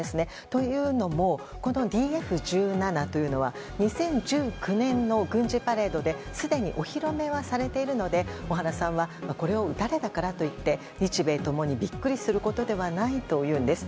というのもこのＤＦ１７というのは２０１９年の軍事パレードですでにお披露目はされているので小原さんはこれを撃たれたからとして日米共にビックリすることではないというんです。